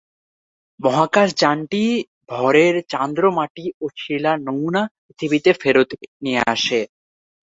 মহাকাশযানটি ভরের চান্দ্র মাটি ও শিলার নমুনা পৃথিবীতে ফেরত নিয়ে আসে।